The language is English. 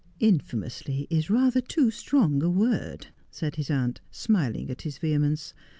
'" Infamously " is rather too strong a word,' said his aunt, smiling at his vehemence.